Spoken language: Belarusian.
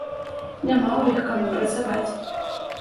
Няма ў іх каму працаваць.